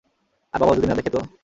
আর বাবা যদি না দেখে, তো?